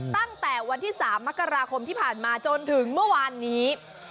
ตั้งแต่วันที่๓มกราคมที่ผ่านมาจนถึงเมื่อวานนี้